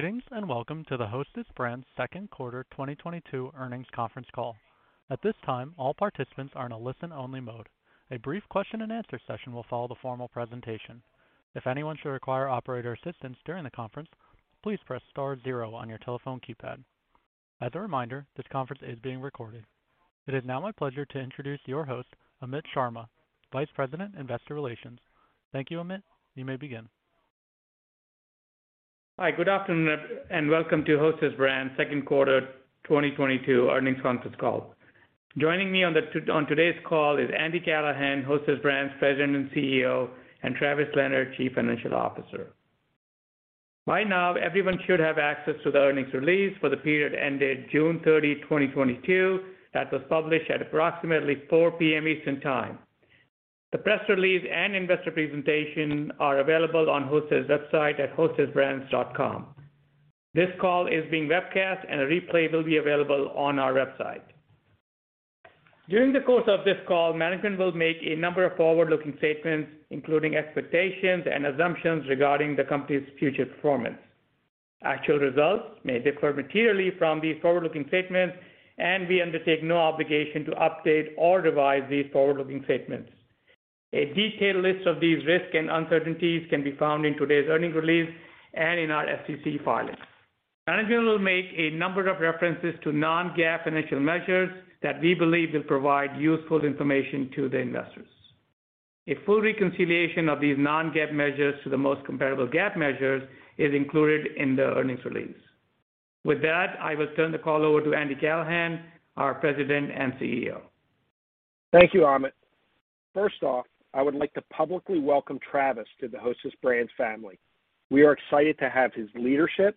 Greetings, and welcome to the Hostess Brands second quarter 2022 earnings conference call. At this time, all participants are in a listen-only mode. A brief question-and-answer session will follow the formal presentation. If anyone should require operator assistance during the conference, please press star zero on your telephone keypad. As a reminder, this conference is being recorded. It is now my pleasure to introduce your host, Amit Sharma, Vice President, Investor Relations. Thank you, Amit. You may begin. Hi, good afternoon, and welcome to Hostess Brands second quarter 2022 earnings conference call. Joining me on today's call is Andy Callahan, Hostess Brands President and CEO, and Travis Leonard, Chief Financial Officer. By now, everyone should have access to the earnings release for the period ended June 30, 2022, that was published at approximately 4 P.M. Eastern Time. The press release and investor presentation are available on Hostess' website at hostessbrands.com. This call is being webcast, and a replay will be available on our website. During the course of this call, management will make a number of forward-looking statements, including expectations and assumptions regarding the company's future performance. Actual results may differ materially from these forward-looking statements, and we undertake no obligation to update or revise these forward-looking statements. A detailed list of these risks and uncertainties can be found in today's earnings release and in our SEC filings. Management will make a number of references to non-GAAP financial measures that we believe will provide useful information to the investors. A full reconciliation of these non-GAAP measures to the most comparable GAAP measures is included in the earnings release. With that, I will turn the call over to Andy Callahan, our President and CEO. Thank you, Amit. First off, I would like to publicly welcome Travis to the Hostess Brands family. We are excited to have his leadership,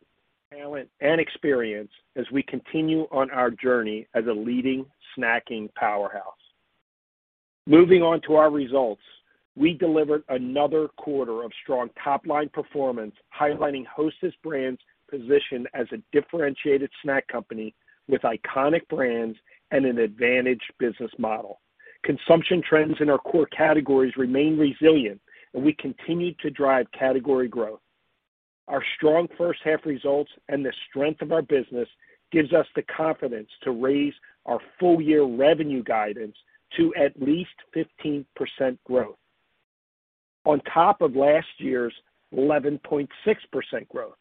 talent, and experience as we continue on our journey as a leading snacking powerhouse. Moving on to our results, we delivered another quarter of strong top-line performance, highlighting Hostess Brands' position as a differentiated snack company with iconic brands and an advantaged business model. Consumption trends in our core categories remain resilient, and we continue to drive category growth. Our strong first half results and the strength of our business gives us the confidence to raise our full year revenue guidance to at least 15% growth on top of last year's 11.6% growth.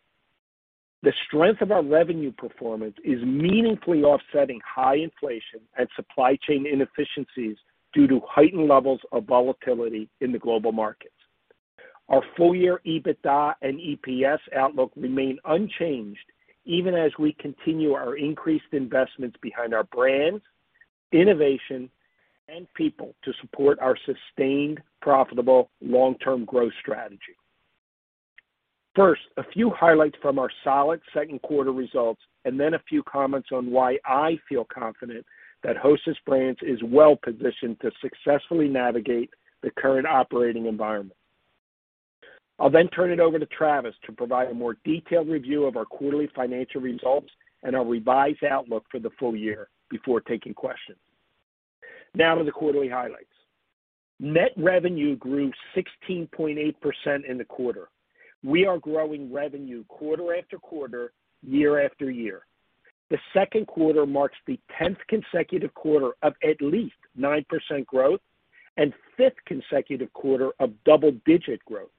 The strength of our revenue performance is meaningfully offsetting high inflation and supply chain inefficiencies due to heightened levels of volatility in the global markets. Our full year EBITDA and EPS outlook remain unchanged even as we continue our increased investments behind our brands, innovation, and people to support our sustained, profitable long-term growth strategy. First, a few highlights from our solid second quarter results, and then a few comments on why I feel confident that Hostess Brands is well-positioned to successfully navigate the current operating environment. I'll then turn it over to Travis to provide a more detailed review of our quarterly financial results and our revised outlook for the full year before taking questions. Now to the quarterly highlights. Net revenue grew 16.8% in the quarter. We are growing revenue quarter after quarter, year after year. The second quarter marks the tenth consecutive quarter of at least 9% growth and fifth consecutive quarter of double-digit growth.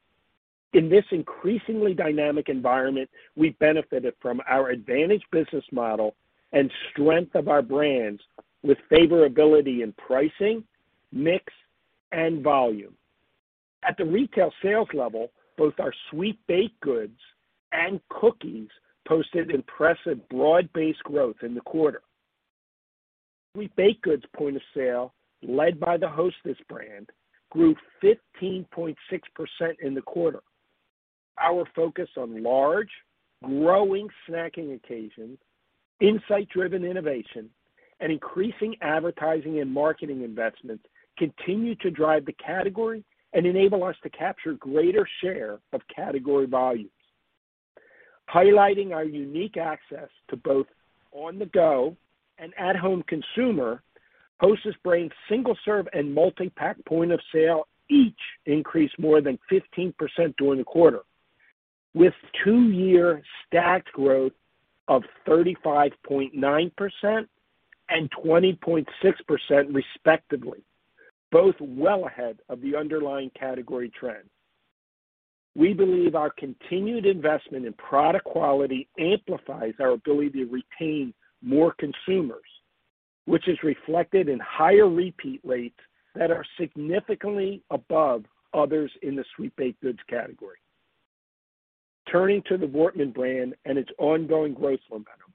In this increasingly dynamic environment, we benefited from our advantaged business model and strength of our brands with favorability in pricing, mix, and volume. At the retail sales level, both our Sweet Baked Goods and cookies posted impressive broad-based growth in the quarter. Sweet Baked Goods point of sale, led by the Hostess brand, grew 15.6% in the quarter. Our focus on large, growing snacking occasions, insight-driven innovation, and increasing advertising and marketing investments continue to drive the category and enable us to capture greater share of category volumes. Highlighting our unique access to both on-the-go and at-home consumer, Hostess Brands' single serve and multi-pack point of sale each increased more than 15% during the quarter, with two-year stacked growth of 35.9% and 20.6% respectively, both well ahead of the underlying category trend. We believe our continued investment in product quality amplifies our ability to retain more consumers, which is reflected in higher repeat rates that are significantly above others in the Sweet Baked Goods category. Turning to the Voortman brand and its ongoing growth momentum.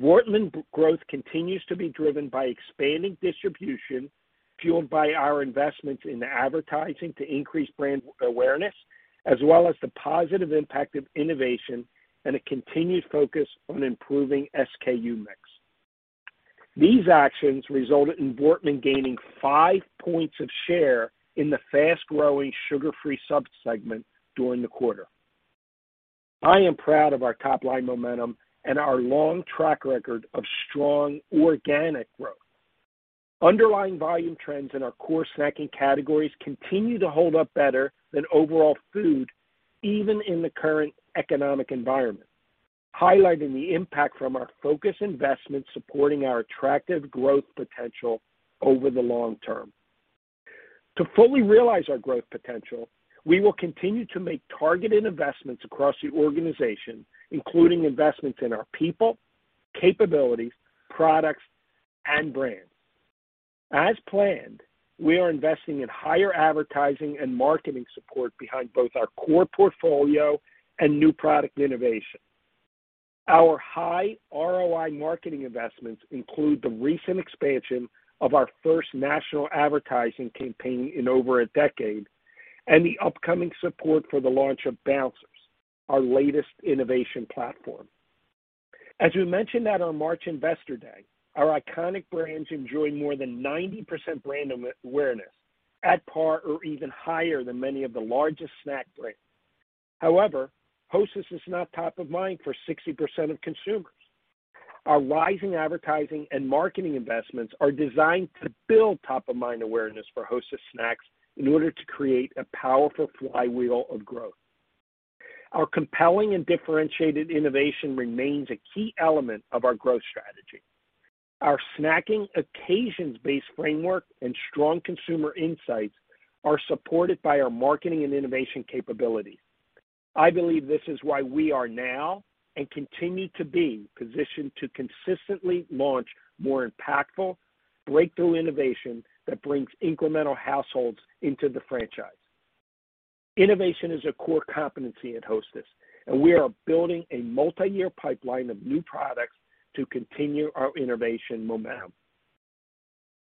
Voortman growth continues to be driven by expanding distribution, fueled by our investments in advertising to increase brand awareness as well as the positive impact of innovation and a continued focus on improving SKU mix. These actions resulted in Voortman gaining 5 points of share in the fast-growing sugar-free subsegment during the quarter. I am proud of our top-line momentum and our long track record of strong organic growth. Underlying volume trends in our core snacking categories continue to hold up better than overall food even in the current economic environment, highlighting the impact from our focused investment supporting our attractive growth potential over the long term. To fully realize our growth potential, we will continue to make targeted investments across the organization, including investments in our people, capabilities, products, and brands. As planned, we are investing in higher advertising and marketing support behind both our core portfolio and new product innovation. Our high ROI marketing investments include the recent expansion of our first national advertising campaign in over a decade and the upcoming support for the launch of Bouncers, our latest innovation platform. As we mentioned at our March Investor Day, our iconic brands enjoy more than 90% brand awareness at par or even higher than many of the largest snack brands. However, Hostess is not top of mind for 60% of consumers. Our rising advertising and marketing investments are designed to build top-of-mind awareness for Hostess snacks in order to create a powerful flywheel of growth. Our compelling and differentiated innovation remains a key element of our growth strategy. Our snacking occasions-based framework and strong consumer insights are supported by our marketing and innovation capability. I believe this is why we are now and continue to be positioned to consistently launch more impactful breakthrough innovation that brings incremental households into the franchise. Innovation is a core competency at Hostess, and we are building a multiyear pipeline of new products to continue our innovation momentum.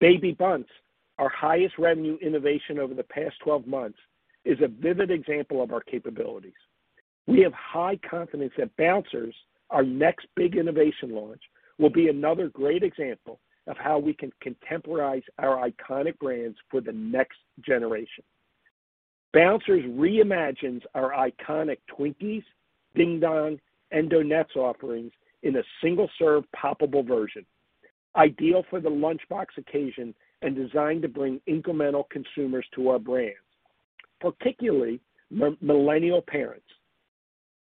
Baby Bundts, our highest revenue innovation over the past 12 months, is a vivid example of our capabilities. We have high confidence that Bouncers, our next big innovation launch, will be another great example of how we can contemporize our iconic brands for the next generation. Bouncers reimagines our iconic Twinkies, Ding Dongs, and Donettes offerings in a single-serve poppable version, ideal for the lunchbox occasion and designed to bring incremental consumers to our brands, particularly millennial parents.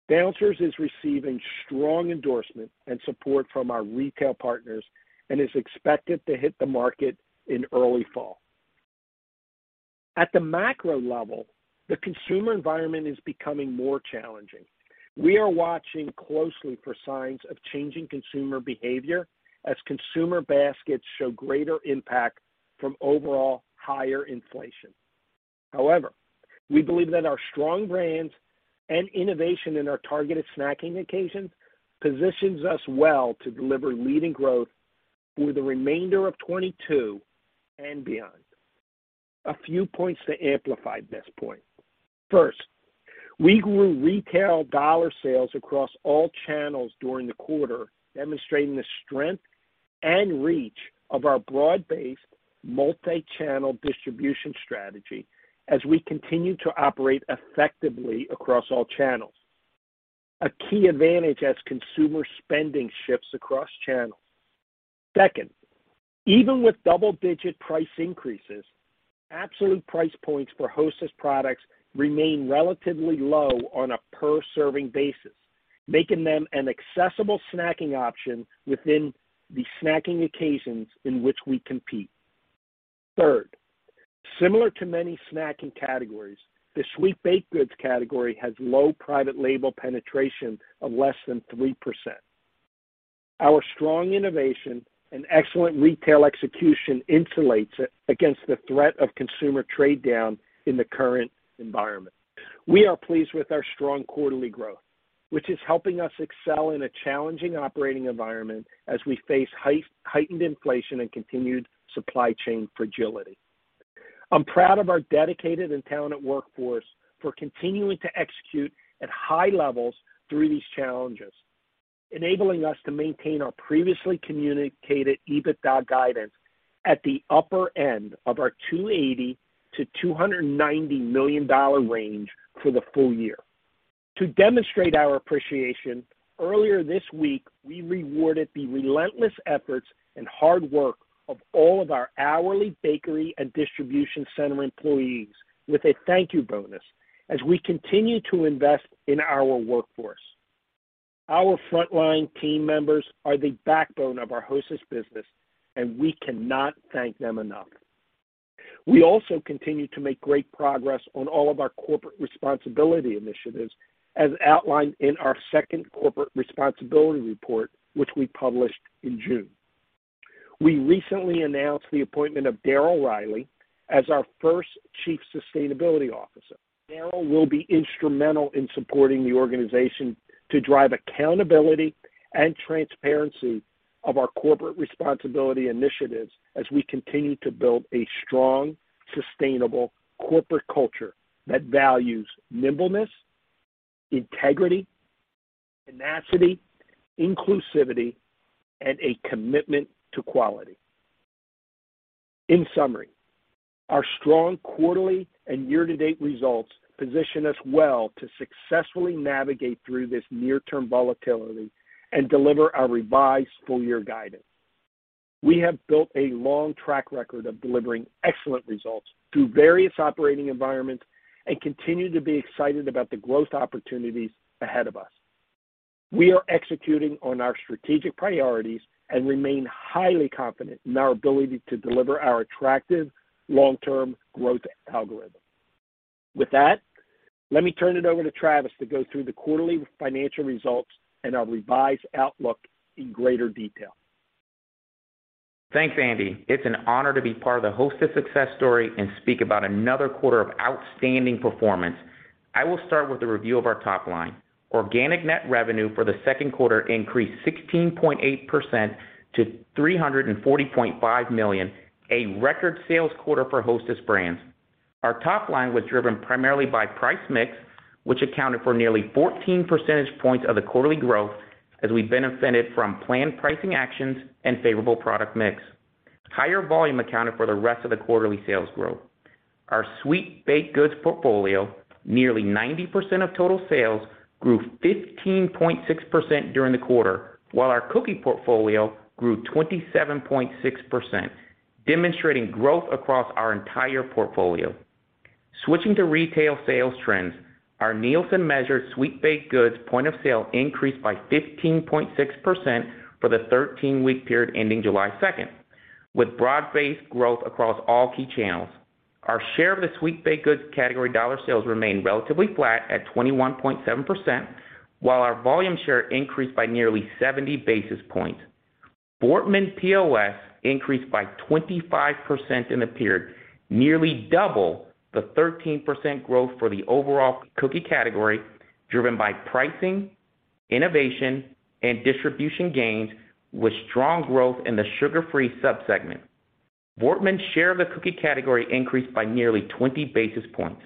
Bouncers is receiving strong endorsement and support from our retail partners and is expected to hit the market in early fall. At the macro level, the consumer environment is becoming more challenging. We are watching closely for signs of changing consumer behavior as consumer baskets show greater impact from overall higher inflation. However, we believe that our strong brands and innovation in our targeted snacking occasions positions us well to deliver leading growth for the remainder of 2022 and beyond. A few points to amplify this point. First, we grew retail dollar sales across all channels during the quarter, demonstrating the strength and reach of our broad-based multi-channel distribution strategy as we continue to operate effectively across all channels. A key advantage as consumer spending shifts across channels. Second, even with double-digit price increases, absolute price points for Hostess products remain relatively low on a per-serving basis, making them an accessible snacking option within the snacking occasions in which we compete. Third, similar to many snacking categories, the Sweet Baked Goods category has low private label penetration of less than 3%. Our strong innovation and excellent retail execution insulates it against the threat of consumer trade down in the current environment. We are pleased with our strong quarterly growth, which is helping us excel in a challenging operating environment as we face heightened inflation and continued supply chain fragility. I'm proud of our dedicated and talented workforce for continuing to execute at high levels through these challenges, enabling us to maintain our previously communicated EBITDA guidance at the upper end of our $280 million-$290 million range for the full year. To demonstrate our appreciation, earlier this week, we rewarded the relentless efforts and hard work of all of our hourly bakery and distribution center employees with a thank you bonus as we continue to invest in our workforce. Our frontline team members are the backbone of our Hostess business, and we cannot thank them enough. We also continue to make great progress on all of our corporate responsibility initiatives as outlined in our second corporate responsibility report, which we published in June. We recently announced the appointment of Darryl Riley as our first chief sustainability officer. Darryl will be instrumental in supporting the organization to drive accountability and transparency of our corporate responsibility initiatives as we continue to build a strong, sustainable corporate culture that values nimbleness, integrity, tenacity, inclusivity, and a commitment to quality. In summary, our strong quarterly and year-to-date results position us well to successfully navigate through this near-term volatility and deliver our revised full-year guidance. We have built a long track record of delivering excellent results through various operating environments and continue to be excited about the growth opportunities ahead of us. We are executing on our strategic priorities and remain highly confident in our ability to deliver our attractive long-term growth algorithm. With that, let me turn it over to Travis to go through the quarterly financial results and our revised outlook in greater detail. Thanks, Andy. It's an honor to be part of the Hostess success story and speak about another quarter of outstanding performance. I will start with a review of our top line. Organic net revenue for the second quarter increased 16.8% to $340.5 million, a record sales quarter for Hostess Brands. Our top line was driven primarily by price mix, which accounted for nearly 14 percentage points of the quarterly growth as we benefited from planned pricing actions and favorable product mix. Higher volume accounted for the rest of the quarterly sales growth. Our sweet baked goods portfolio, nearly 90% of total sales, grew 15.6% during the quarter, while our cookie portfolio grew 27.6%, demonstrating growth across our entire portfolio. Switching to retail sales trends, our Nielsen-measured Sweet Baked Goods point of sale increased by 15.6% for the 13-week period ending July second, with broad-based growth across all key channels. Our share of the Sweet Baked Goods category dollar sales remained relatively flat at 21.7%, while our volume share increased by nearly 70 basis points. Voortman POS increased by 25% in the period, nearly double the 13% growth for the overall cookie category, driven by pricing, innovation, and distribution gains with strong growth in the sugar-free subsegment. Voortman's share of the cookie category increased by nearly 20 basis points.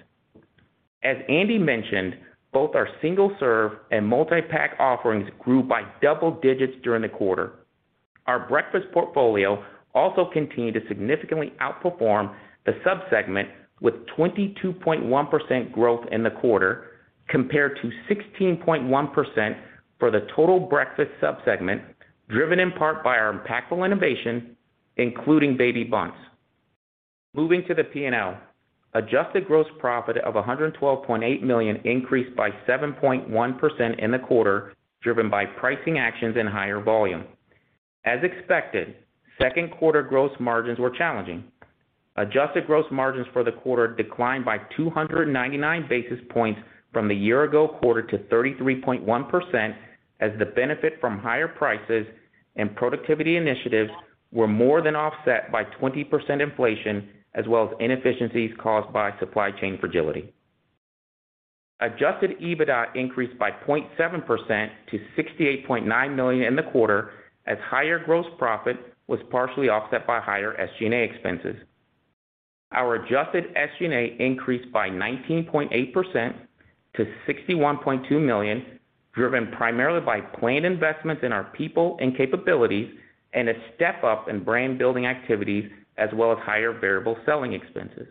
As Andy mentioned, both our single-serve and multi-pack offerings grew by double digits during the quarter. Our breakfast portfolio also continued to significantly outperform the subsegment with 22.1% growth in the quarter compared to 16.1% for the total breakfast subsegment, driven in part by our impactful innovation, including Baby Bundts. Moving to the P&L. Adjusted gross profit of $112.8 million increased by 7.1% in the quarter, driven by pricing actions and higher volume. As expected, second quarter gross margins were challenging. Adjusted gross margins for the quarter declined by 299 basis points from the year ago quarter to 33.1% as the benefit from higher prices and productivity initiatives were more than offset by 20% inflation as well as inefficiencies caused by supply chain fragility. Adjusted EBITDA increased by 0.7% to $68.9 million in the quarter as higher gross profit was partially offset by higher SG&A expenses. Our adjusted SG&A increased by 19.8% to $61.2 million, driven primarily by planned investments in our people and capabilities and a step-up in brand-building activities as well as higher variable selling expenses.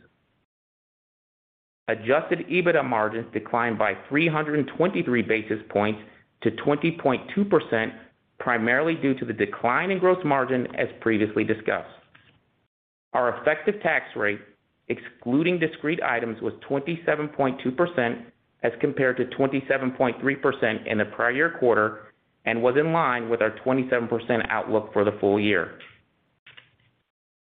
Adjusted EBITDA margins declined by 323 basis points to 20.2%, primarily due to the decline in gross margin as previously discussed. Our effective tax rate, excluding discrete items, was 27.2% as compared to 27.3% in the prior year quarter and was in line with our 27% outlook for the full year.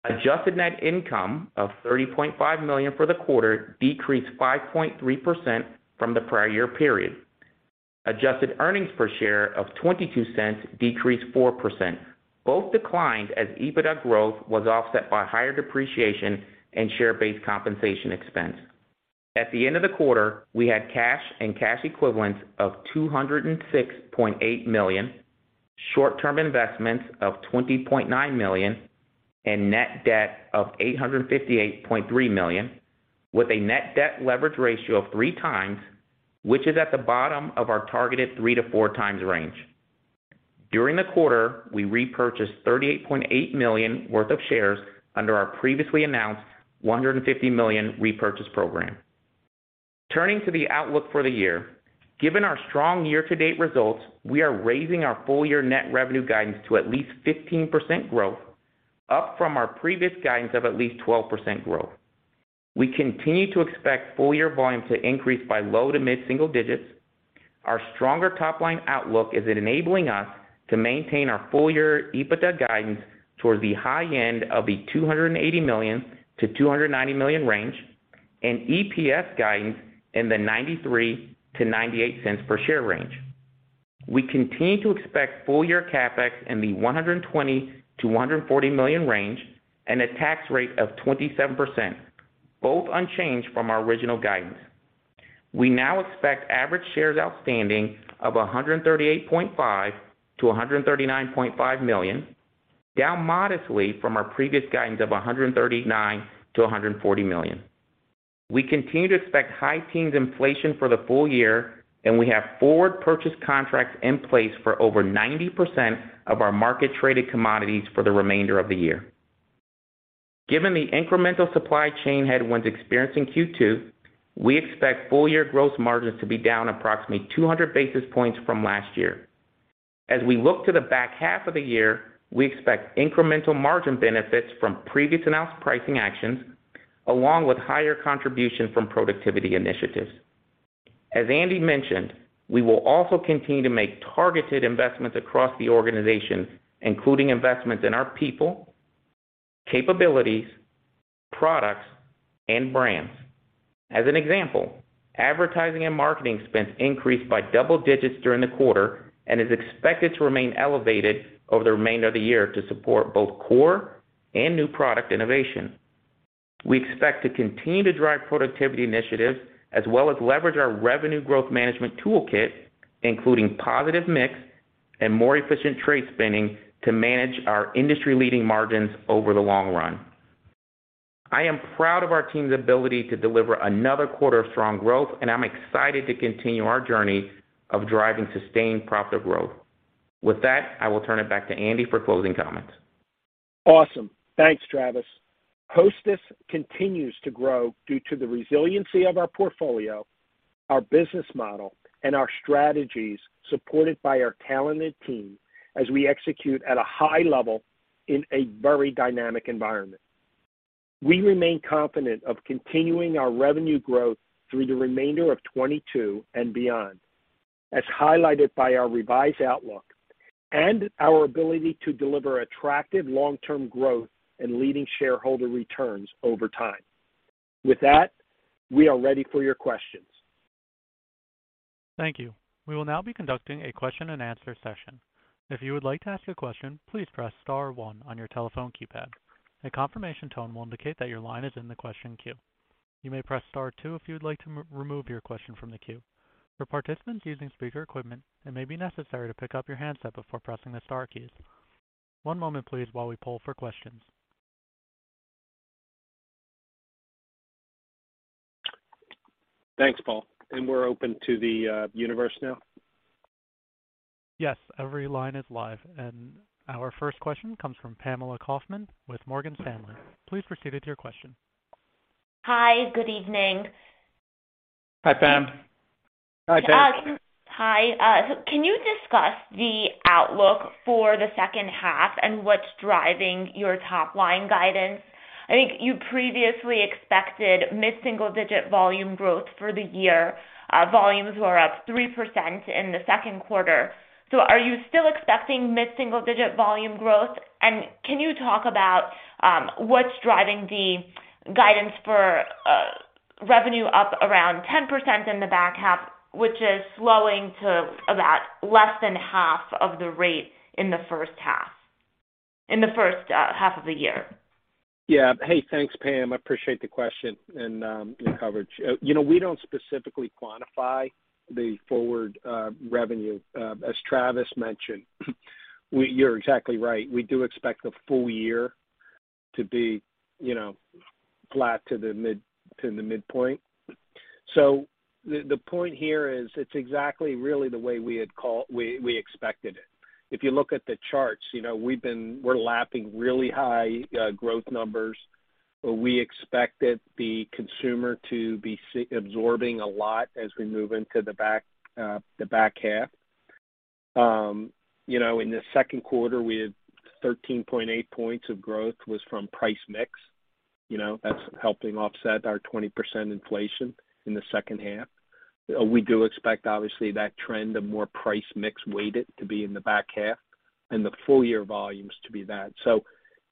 Adjusted net income of $30.5 million for the quarter decreased 5.3% from the prior year period. Adjusted earnings per share of $0.22 decreased 4%, both declined as EBITDA growth was offset by higher depreciation and share-based compensation expense. At the end of the quarter, we had cash and cash equivalents of $206.8 million, short-term investments of $20.9 million, and net debt of $858.3 million with a net debt leverage ratio of 3x, which is at the bottom of our targeted 3x-4x range. During the quarter, we repurchased $38.8 million worth of shares under our previously announced $150 million repurchase program. Turning to the outlook for the year. Given our strong year-to-date results, we are raising our full year net revenue guidance to at least 15% growth, up from our previous guidance of at least 12% growth. We continue to expect full year volume to increase by low- to mid-single digits. Our stronger top-line outlook is enabling us to maintain our full year EBITDA guidance towards the high end of the $280 million-$290 million range and EPS guidance in the $0.93-$0.98 per share range. We continue to expect full year CapEx in the $120 million-$140 million range and a tax rate of 27%, both unchanged from our original guidance. We now expect average shares outstanding of 138.5-139.5 million, down modestly from our previous guidance of 139-140 million. We continue to expect high teens inflation for the full year, and we have forward purchase contracts in place for over 90% of our market traded commodities for the remainder of the year. Given the incremental supply chain headwinds experienced in Q2, we expect full year gross margins to be down approximately 200 basis points from last year. As we look to the back half of the year, we expect incremental margin benefits from previous announced pricing actions, along with higher contribution from productivity initiatives. As Andy mentioned, we will also continue to make targeted investments across the organization, including investments in our people, capabilities, products, and brands. As an example, advertising and marketing spend increased by double digits during the quarter and is expected to remain elevated over the remainder of the year to support both core and new product innovation. We expect to continue to drive productivity initiatives as well as leverage our revenue growth management toolkit, including positive mix and more efficient trade spending to manage our industry leading margins over the long run. I am proud of our team's ability to deliver another quarter of strong growth, and I'm excited to continue our journey of driving sustained profitable growth. With that, I will turn it back to Andy for closing comments. Awesome. Thanks, Travis. Hostess continues to grow due to the resiliency of our portfolio, our business model, and our strategies supported by our talented team as we execute at a high level in a very dynamic environment. We remain confident of continuing our revenue growth through the remainder of 2022 and beyond, as highlighted by our revised outlook and our ability to deliver attractive long-term growth and leading shareholder returns over time. With that, we are ready for your questions. Thank you. We will now be conducting a question and answer session. If you would like to ask a question, please press star one on your telephone keypad. A confirmation tone will indicate that your line is in the question queue. You may press star two if you would like to remove your question from the queue. For participants using speaker equipment, it may be necessary to pick up your handset before pressing the star keys. One moment please while we poll for questions. Thanks, Paul. We're open to the universe now. Yes, every line is live. Our first question comes from Pamela Kaufman with Morgan Stanley. Please proceed with your question. Hi, good evening. Hi, Pam. Hi, Pam. Hi. So can you discuss the outlook for the second half and what's driving your top line guidance? I think you previously expected mid-single digit volume growth for the year. Volumes were up 3% in the second quarter. Are you still expecting mid-single digit volume growth? Can you talk about what's driving the guidance for revenue up around 10% in the back half, which is slowing to about less than half of the rate in the first half of the year? Yeah. Hey, thanks, Pam. I appreciate the question and your coverage. You know, we don't specifically quantify the forward revenue. As Travis mentioned, you're exactly right. We do expect the full year to be, you know, flat to the midpoint. The point here is it's exactly really the way we had called it. We expected it. If you look at the charts, you know, we're lapping really high growth numbers, but we expected the consumer to be absorbing a lot as we move into the back half. You know, in the second quarter, we had 13.8 points of growth from price mix. You know, that's helping offset our 20% inflation in the second half. We do expect, obviously, that trend of more price mix weighted to be in the back half and the full year volumes to be that.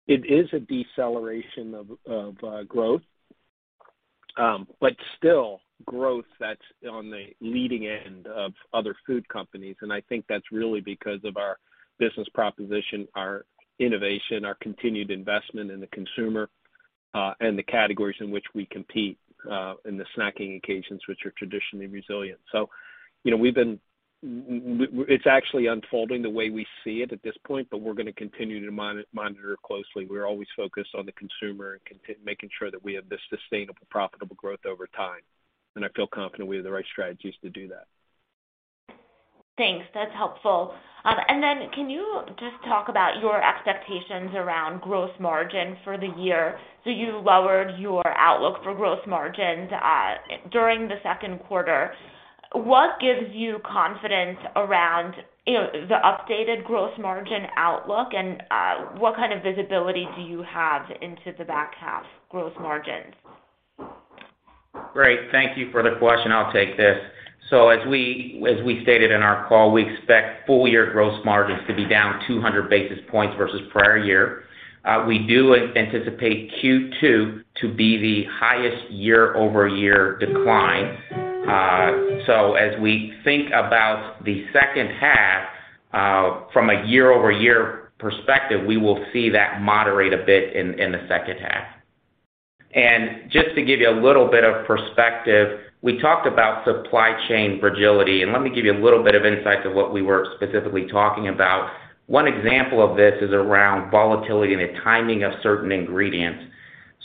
It is a deceleration of growth, but still growth that's on the leading end of other food companies. I think that's really because of our business proposition, our innovation, our continued investment in the consumer, and the categories in which we compete, in the snacking occasions, which are traditionally resilient. You know, it's actually unfolding the way we see it at this point, but we're gonna continue to monitor closely. We're always focused on the consumer and making sure that we have this sustainable profitable growth over time. I feel confident we have the right strategies to do that. Thanks. That's helpful. Can you just talk about your expectations around gross margin for the year? You lowered your outlook for gross margins during the second quarter. What gives you confidence around, you know, the updated gross margin outlook, and what kind of visibility do you have into the back half gross margins? Great. Thank you for the question. I'll take this. As we stated in our call, we expect full year gross margins to be down 200 basis points versus prior year. We anticipate Q2 to be the highest year-over-year decline. As we think about the second half, from a year-over-year perspective, we will see that moderate a bit in the second half. Just to give you a little bit of perspective, we talked about supply chain fragility, and let me give you a little bit of insight to what we were specifically talking about. One example of this is around volatility and the timing of certain ingredients.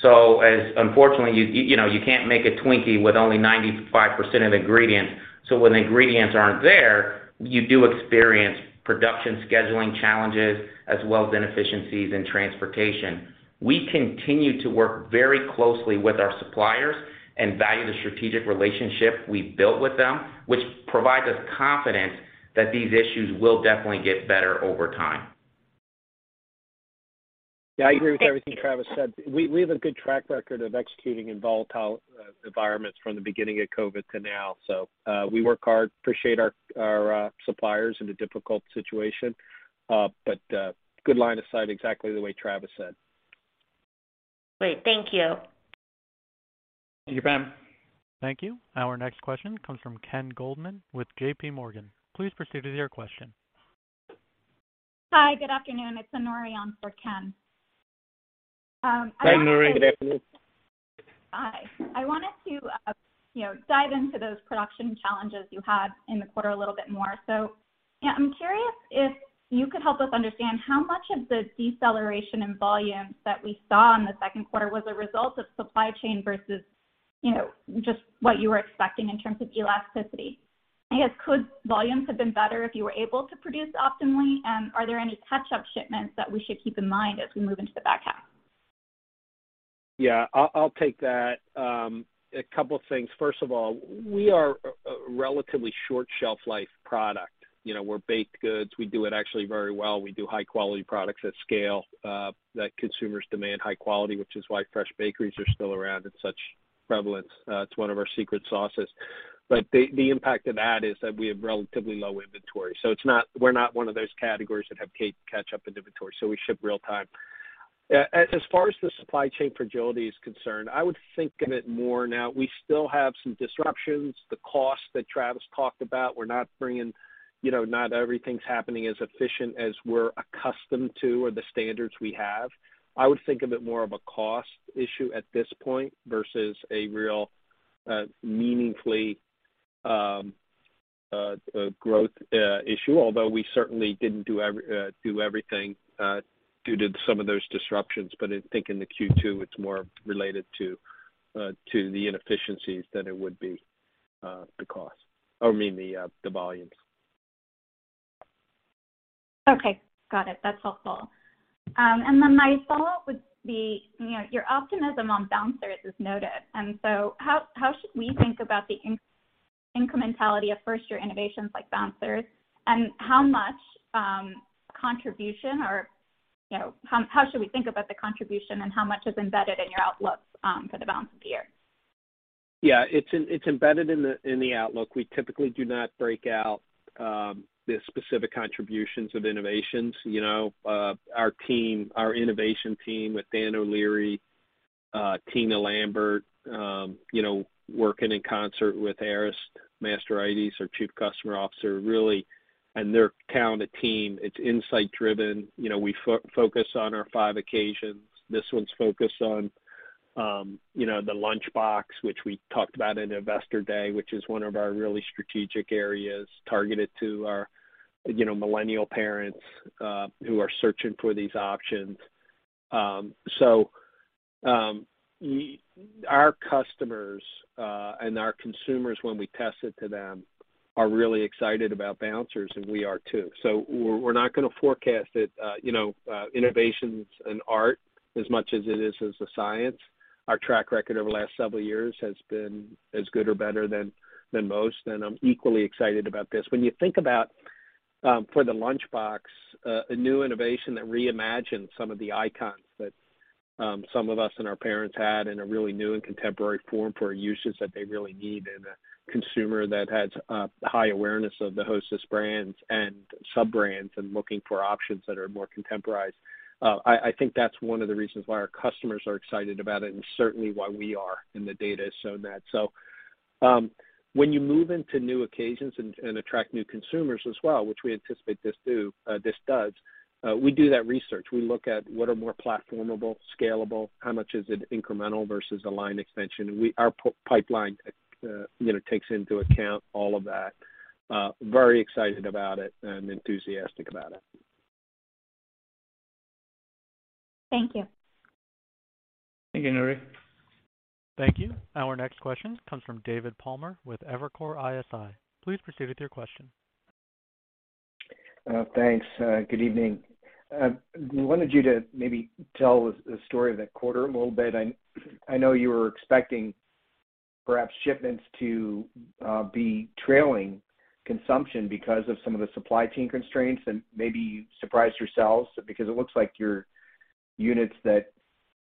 Unfortunately, you know, you can't make a Twinkie with only 95% of ingredients. When the ingredients aren't there, you do experience production scheduling challenges as well as inefficiencies in transportation. We continue to work very closely with our suppliers and value the strategic relationship we've built with them, which provides us confidence that these issues will definitely get better over time. Yeah, I agree with everything Travis said. We have a good track record of executing in volatile environments from the beginning of COVID to now. We work hard, appreciate our suppliers in a difficult situation. Good line of sight exactly the way Travis said. Great. Thank you. Thank you, Pam. Thank you. Our next question comes from Ken Goldman with JPMorgan. Please proceed with your question. Hi, good afternoon. It's Anshul Bhat on for Ken Goldman. I wanted to. Hi, Anshul Dhingra. Good afternoon. Hi. I wanted to, you know, dive into those production challenges you had in the quarter a little bit more. I'm curious if you could help us understand how much of the deceleration in volume that we saw in the second quarter was a result of supply chain versus, you know, just what you were expecting in terms of elasticity. I guess could volumes have been better if you were able to produce optimally? And are there any catch-up shipments that we should keep in mind as we move into the back half? Yeah, I'll take that. A couple of things. First of all, we are a relatively short shelf life product. You know, we're baked goods. We do it actually very well. We do high-quality products at scale, that consumers demand high quality, which is why fresh bakeries are still around in such pe. It's one of our secret sauces. The impact of that is that we have relatively low inventory. So, it's not, we're not one of those categories that have catch-up inventory, so we ship real-time. As far as the supply chain fragility is concerned, I would think of it more now. We still have some disruptions. The cost that Travis talked about, we're not bringing, you know, not everything's happening as efficient as we're accustomed to or the standards we have. I would think of it more of a cost issue at this point versus a real meaningful growth issue, although we certainly didn't do everything due to some of those disruptions. I think in the Q2, it's more related to the inefficiencies than it would be the cost or I mean, the volumes. Okay. Got it. That's helpful. My follow-up would be, you know, your optimism on Bouncers is noted. How should we think about the incrementality of first-year innovations like Bouncers? How much contribution or, you know, how should we think about the contribution and how much is embedded in your outlook for the balance of the year? Yeah, it's embedded in the outlook. We typically do not break out the specific contributions of innovations. You know, our team, our innovation team with Dan O'Leary, Tina Lambert, you know, working in concert with Arist Mastorides, our Chief Customer Officer, really, and their talented team, it's insight-driven. You know, we focus on our five occasions. This one's focused on, you know, the lunchbox, which we talked about at Investor Day, which is one of our really strategic areas targeted to our, you know, millennial parents, who are searching for these options. Our customers and our consumers when we test it to them are really excited about Bouncers, and we are too. We're not gonna forecast it. You know, innovation's an art as much as it is a science. Our track record over the last several years has been as good or better than most, and I'm equally excited about this. When you think about for the lunchbox, a new innovation that reimagines some of the icons that some of us and our parents had in a really new and contemporary form for uses that they really need and a consumer that has high awareness of the Hostess brands and sub-brands and looking for options that are more contemporized, I think that's one of the reasons why our customers are excited about it and certainly why we are, and the data has shown that. When you move into new occasions and attract new consumers as well, which we anticipate this does, we do that research. We look at what are more platformable, scalable, how much is it incremental versus a line extension. Our pipeline, you know, takes into account all of that. Very excited about it and enthusiastic about it. Thank you. Thank you, Anshul Dhingra. Thank you. Our next question comes from David Palmer with Evercore ISI. Please proceed with your question. Thanks. Good evening. Wanted you to maybe tell the story of that quarter a little bit. I know you were expecting perhaps shipments to be trailing consumption because of some of the supply chain constraints and maybe you surprised yourselves because it looks like your units that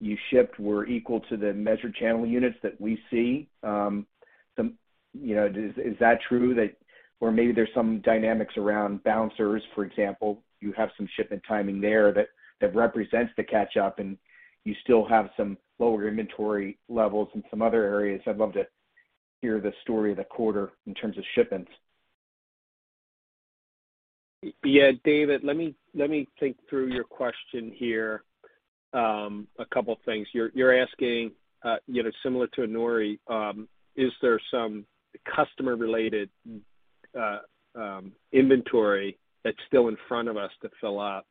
you shipped were equal to the measured channel units that we see. Some, you know, is that true or maybe there's some dynamics around Bouncers, for example. You have some shipment timing there that represents the catch-up, and you still have some lower inventory levels in some other areas. I'd love to hear the story of the quarter in terms of shipments. Yeah, David, let me think through your question here. A couple of things. You're asking, you know, similar to Anshul, is there some customer-related inventory that's still in front of us to fill up.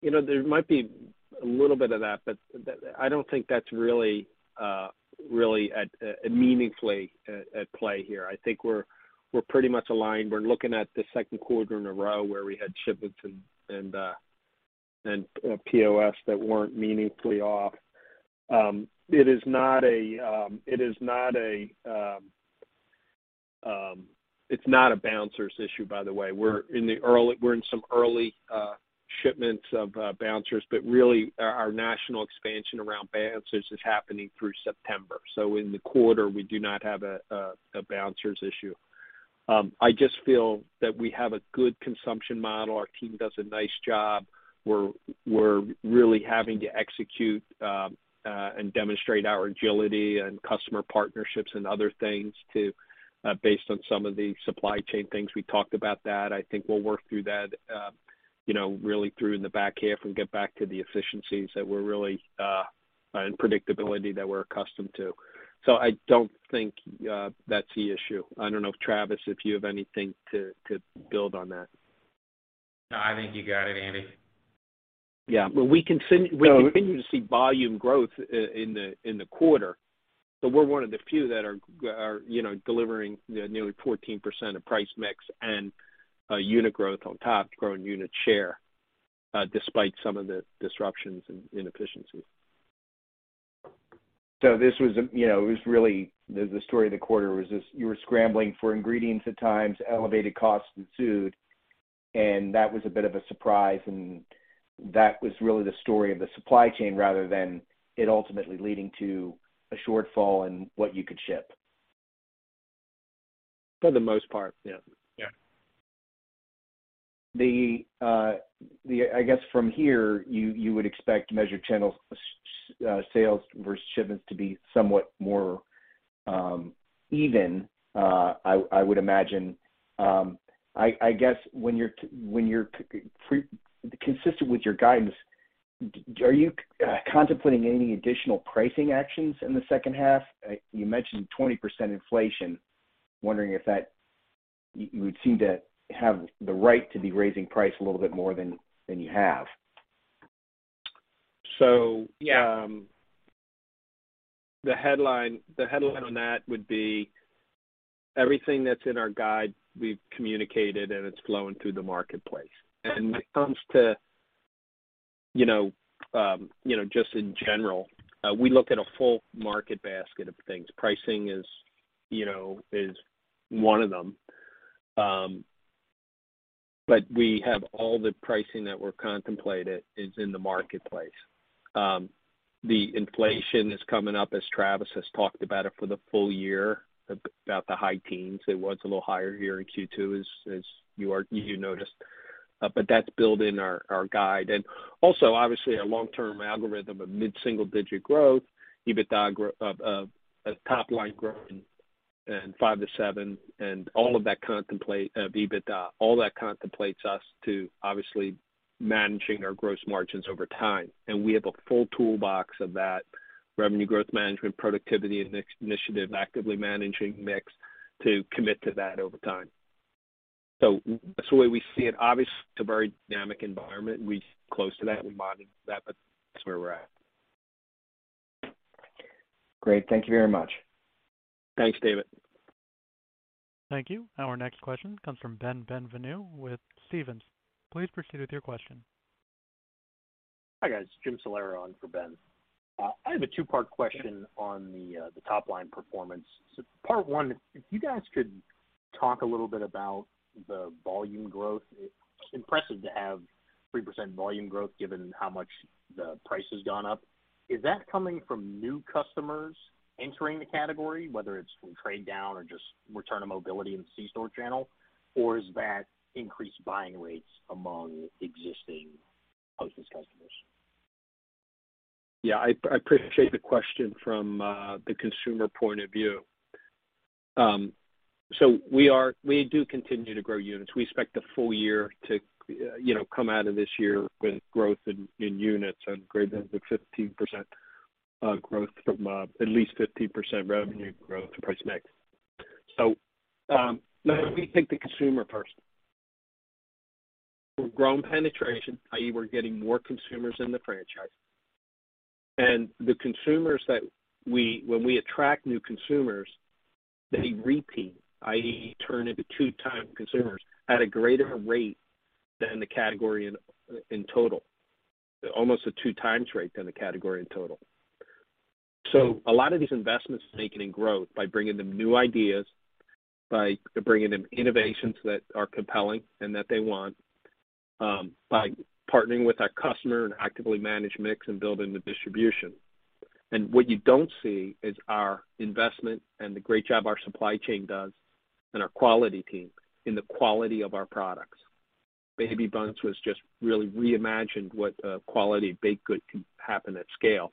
You know, there might be a little bit of that, but I don't think that's really meaningfully at play here. I think we're pretty much aligned. We're looking at the second quarter in a row where we had shipments and POS that weren't meaningfully off. It's not a Bouncers issue, by the way. We're in some early shipments of Bouncers, but really our national expansion around Bouncers is happening through September. In the quarter, we do not have a Bouncers issue. I just feel that we have a good consumption model. Our team does a nice job. We're really having to execute and demonstrate our agility and customer partnerships and other things to, based on some of the supply chain things. We talked about that. I think we'll work through that, you know, really through in the back half and get back to the efficiencies that we're really and predictability that we're accustomed to. I don't think that's the issue. I don't know if, Travis, if you have anything to build on that. No, I think you got it, Andy. Yeah. So- We continue to see volume growth in the quarter, but we're one of the few that are, you know, delivering nearly 14% of price mix and unit growth on top, growing unit share, despite some of the disruptions and inefficiencies. This was a, you know, it was really the story of the quarter was this, you were scrambling for ingredients at times, elevated costs ensued, and that was a bit of a surprise, and that was really the story of the supply chain rather than it ultimately leading to a shortfall in what you could ship. For the most part, yeah. Yeah. I guess from here, you would expect measured channel sales versus shipments to be somewhat more even, I would imagine. I guess, consistent with your guidance, are you contemplating any additional pricing actions in the second half? You mentioned 20% inflation. Wondering if you would seem to have the right to be raising price a little bit more than you have. So- Yeah. The headline on that would be everything that's in our guide, we've communicated, and it's flowing through the marketplace. When it comes to, you know, just in general, we look at a full market basket of things. Pricing is, you know, is one of them. But we have all the pricing that we contemplated is in the marketplace. The inflation is coming up, as Travis has talked about it for the full year, about the high teens%. It was a little higher here in Q2, as you noticed. But that's built in our guide. Obviously, our long-term algorithm of mid-single-digit growth of top line and EBITDA growing 5%-7%, and all of that contemplates us obviously managing our gross margins over time. We have a full toolbox of that revenue growth management, productivity, and mix initiative, actively managing mix to commit to that over time. That's the way we see it. Obviously, it's a very dynamic environment. We're close to that. We modeled that, but that's where we're at. Great. Thank you very much. Thanks, David. Thank you. Our next question comes from Ben Bienvenu with Stephens. Please proceed with your question. Hi, guys. Jim Salera on for Ben. I have a two-part question on the top line performance. Part one, if you guys could talk a little bit about the volume growth. It's impressive to have 3% volume growth given how much the price has gone up. Is that coming from new customers entering the category, whether it's from trade down or just return of mobility in the C-store channel? Or is that increased buying rates among existing Hostess customers? Yeah. I appreciate the question from the consumer point of view. We do continue to grow units. We expect the full year to come out of this year with growth in units and greater than 15% growth from at least 15% revenue growth and price mix. No, we think the consumer person. We're growing penetration, i.e. we're getting more consumers in the franchise. The consumers that when we attract new consumers, they repeat, i.e. turn into two-time consumers at a greater rate than the category in total. Almost a two times rate than the category in total. A lot of these investments we're making in growth by bringing them new ideas, by bringing them innovations that are compelling and that they want, by partnering with our customer and actively manage mix and building the distribution. What you don't see is our investment and the great job our supply chain does and our quality team in the quality of our products. Baby Bundts was just really reimagined what a quality baked good can happen at scale,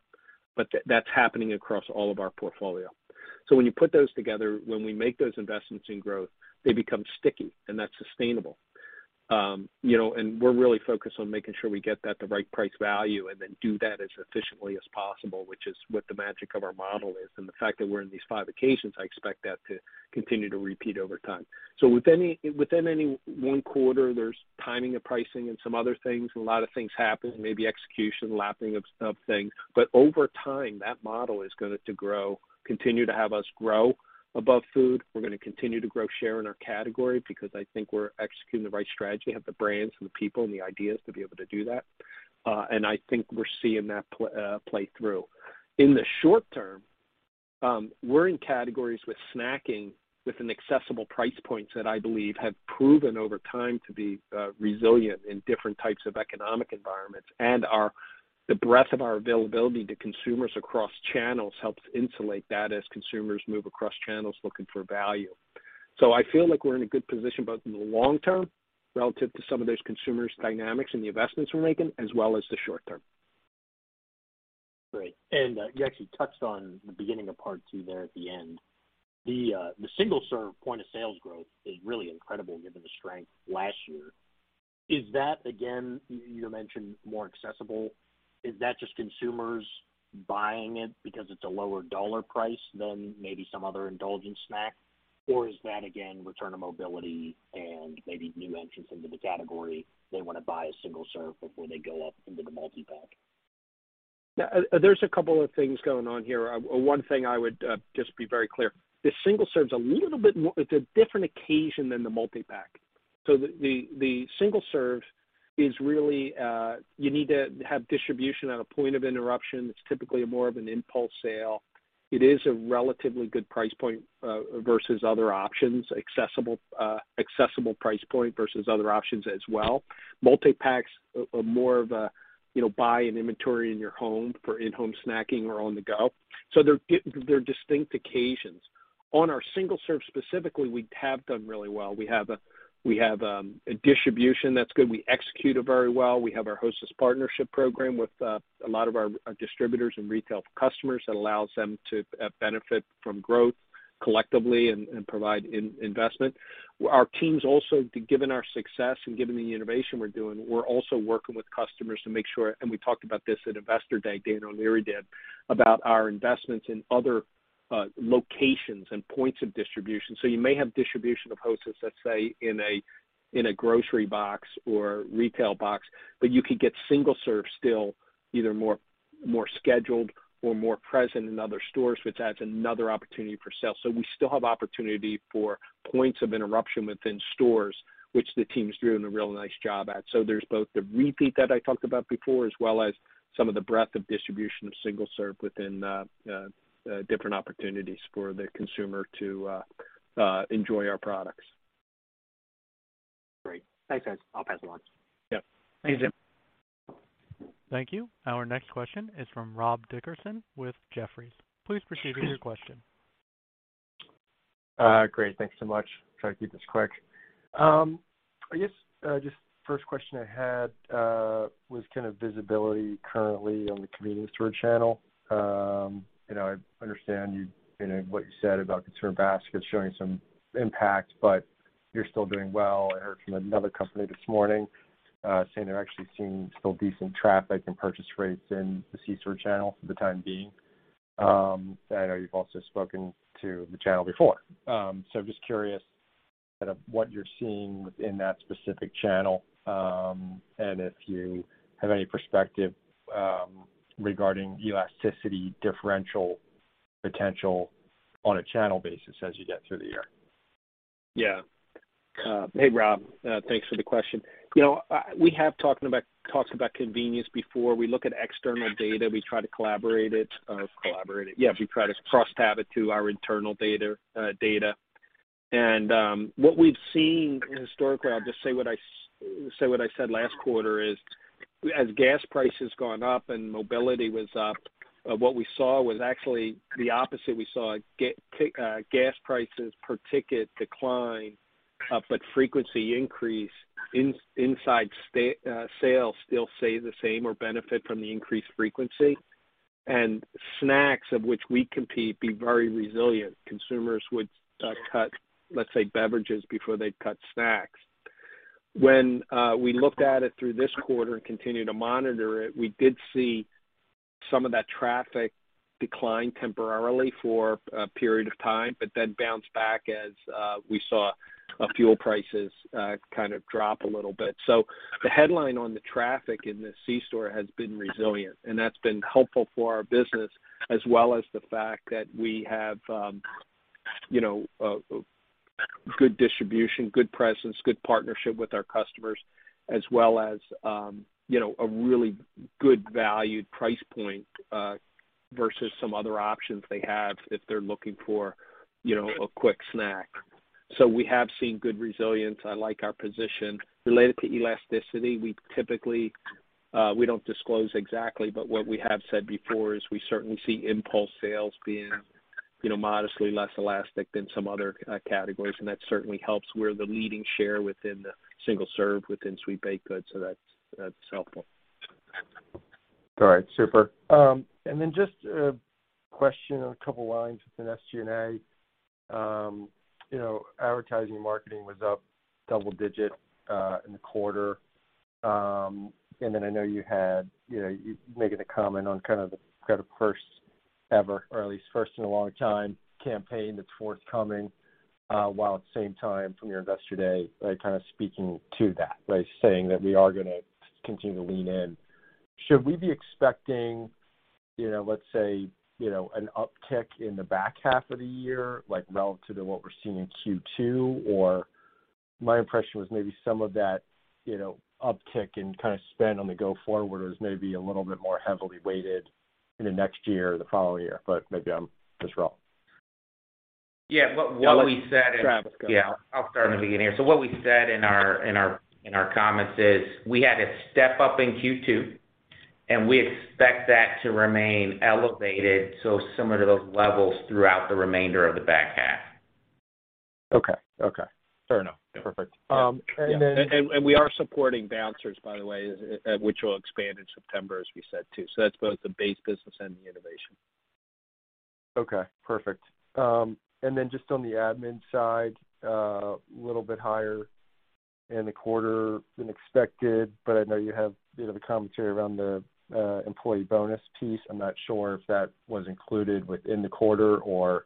but that's happening across all of our portfolio. When you put those together, when we make those investments in growth, they become sticky, and that's sustainable. You know, we're really focused on making sure we get that the right price value and then do that as efficiently as possible, which is what the magic of our model is. The fact that we're in these five occasions, I expect that to continue to repeat over time. Within any one quarter, there's timing of pricing and some other things, a lot of things happen, maybe execution, lapping of things. Over time, that model is gonna to grow, continue to have us grow above food. We're gonna continue to grow share in our category because I think we're executing the right strategy, have the brands and the people and the ideas to be able to do that. I think we're seeing that play through. In the short term, we're in categories with snacking with an accessible price points that I believe have proven over time to be resilient in different types of economic environments. The breadth of our availability to consumers across channels helps insulate that as consumers move across channels looking for value. I feel like we're in a good position, both in the long term relative to some of those consumer dynamics and the investments we're making, as well as the short term. Great. You actually touched on the beginning of part two there at the end. The single-serve point-of-sale growth is really incredible given the strength last year. Is that again, you mentioned more accessible. Is that just consumers buying it because it's a lower dollar price than maybe some other indulgent snack? Or is that again, return to mobility and maybe new entrants into the category, they wanna buy a single-serve before they go up into the multi-pack? There's a couple of things going on here. One thing I would just be very clear, the single serve's a little bit more, it's a different occasion than the multi-pack. The single serve is really you need to have distribution at a point of interruption. It's typically more of an impulse sale. It is a relatively good price point versus other options, accessible price point versus other options as well. Multi-packs are more of a, you know, buy an inventory in your home for in-home snacking or on the go. They're distinct occasions. On our single serve specifically, we have done really well. We have a distribution that's good. We execute it very well. We have our Hostess partnership program with a lot of our distributors and retail customers that allows them to benefit from growth collectively and provide investment. Our teams also, given our success and given the innovation we're doing, we're also working with customers to make sure, and we talked about this at Investor Day, Dan O'Leary did, about our investments in other locations and points of distribution. You may have distribution of Hostess, let's say, in a grocery box or retail box, but you could get single serve still either more scheduled or more present in other stores, which adds another opportunity for sales. We still have opportunity for points of distribution within stores, which the team's doing a real nice job at. There's both the repeat that I talked about before, as well as some of the breadth of distribution of single serve within different opportunities for the consumer to enjoy our products. Great. Thanks, guys. I'll pass along. Yeah. Thanks. Thank you. Our next question is from Rob Dickerson with Jefferies. Please proceed with your question. Great. Thanks so much. Try to keep this quick. I guess just first question I had was kind of visibility currently on the convenience store channel. You know, I understand you know what you said about consumer basket showing some impact, but you're still doing well. I heard from another company this morning saying they're actually seeing still decent traffic and purchase rates in the C-store channel for the time being. I know you've also spoken to the channel before. Just curious what you're seeing within that specific channel, and if you have any perspective regarding elasticity differential potential on a channel basis as you get through the year. Yeah. Hey, Rob. Thanks for the question. You know, we talked about convenience before. We look at external data, we try to collaborate it. Yes, we try to cross-tab it to our internal data. What we've seen historically, I'll just say what I said last quarter is as gas prices gone up and mobility was up, what we saw was actually the opposite. We saw gas prices per ticket decline, but frequency increase inside sales still stay the same or benefit from the increased frequency. Snacks of which we compete be very resilient. Consumers would cut, let's say, beverages before they'd cut snacks. When we looked at it through this quarter and continued to monitor it, we did see some of that traffic decline temporarily for a period of time, but then bounce back as we saw fuel prices kind of drop a little bit. The headline on the traffic in the C-store has been resilient, and that's been helpful for our business, as well as the fact that we have, you know, a good distribution, good presence, good partnership with our customers, as well as, you know, a really good value price point versus some other options they have if they're looking for, you know, a quick snack. We have seen good resilience. I like our position. Related to elasticity, we typically, we don't disclose exactly, but what we have said before is we certainly see impulse sales being, you know, modestly less elastic than some other categories, and that certainly helps. We're the leading share within the single serve within sweet baked goods, so that's helpful. All right, super. Just a question, a couple lines within SG&A. You know, advertising & marketing was up double-digit in the quarter. I know you had, you know, you making a comment on kind of the first-ever, or at least first in a long time campaign that's forthcoming, while at the same time from your Investor Day, like, kind of speaking to that by saying that we are gonna continue to lean in. Should we be expecting, you know, let's say, you know, an uptick in the back half of the year, like, relative to what we're seeing in Q2? My impression was maybe some of that, you know, uptick in kind of spend on the go forward was maybe a little bit more heavily weighted in the next year or the following year, but maybe I'm just wrong. Yeah. What we said. Travis, go ahead. Yeah, I'll start in the beginning. What we said in our comments is we had a step up in Q2, and we expect that to remain elevated, so similar to those levels throughout the remainder of the back half. Okay. Fair enough. Perfect. We are supporting Bouncers, by the way, which will expand in September, as we said too. That's both the base business and the innovation. Okay, perfect. Just on the admin side, a little bit higher in the quarter than expected, but I know you have, you know, the commentary around the employee bonus piece. I'm not sure if that was included within the quarter or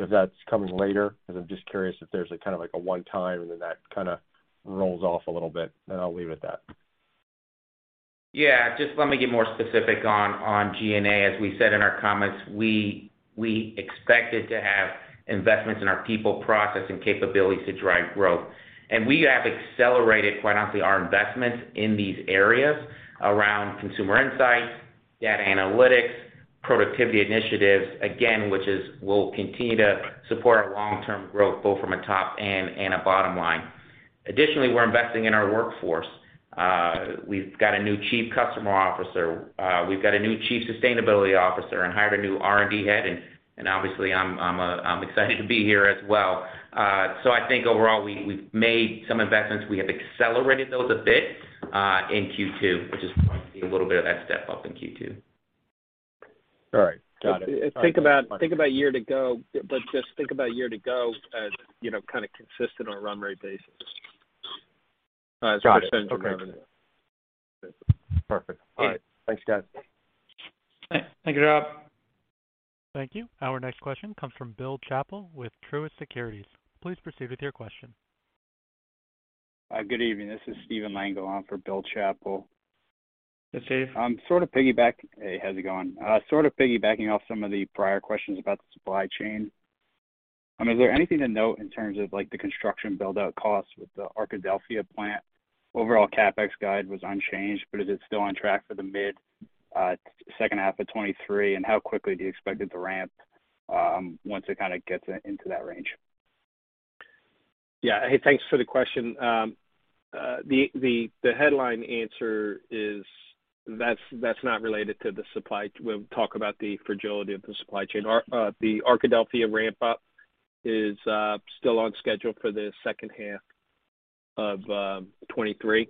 if that's coming later, because I'm just curious if there's a kind of like a one-time, and then that kinda rolls off a little bit, and I'll leave it at that. Yeah, just let me get more specific on G&A. As we said in our comments, we expected to have investments in our people, process, and capabilities to drive growth. We have accelerated, quite honestly, our investments in these areas around consumer insights, data analytics, productivity initiatives, again, which will continue to support our long-term growth, both from a top and a bottom line. Additionally, we're investing in our workforce. We've got a new Chief Customer Officer, we've got a new Chief Sustainability Officer and hired a new R&D head and obviously I'm excited to be here as well. I think overall, we've made some investments. We have accelerated those a bit in Q2, which is why you see a little bit of that step up in Q2. All right. Got it. Think about year to go as, you know, kinda consistent on a run rate basis. Got it. Okay. Perfect. All right. Thanks, guys. Thank you, Rob. Thank you. Our next question comes from Bill Chappell with Truist Securities. Please proceed with your question. Good evening. This is Stephen Lengel on for Bill Chappell. Hey, Steve. Sort of piggybacking off some of the prior questions about the supply chain. I mean, is there anything to note in terms of like the construction build out costs with the Arkadelphia plant? Overall CapEx guide was unchanged, but is it still on track for the mid-second half of 2023? How quickly do you expect it to ramp, once it kinda gets into that range? Yeah. Hey, thanks for the question. The headline answer is that's not related to the supply chain. We'll talk about the fragility of the supply chain. Our Arkadelphia ramp up is still on schedule for the second half of 2023.